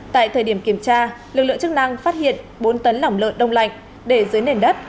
tại thời điểm kiểm tra lực lượng chức năng phát hiện bốn tấn lỏng lợn đông lạnh để dưới nền đất